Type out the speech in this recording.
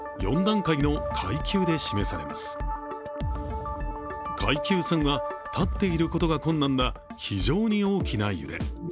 階級３は立っていることが困難な、非常に大きな揺れ。